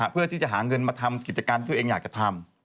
เพื่อที่จะหาเงินมาทำกิจการที่ตัวเองอยากจะทำ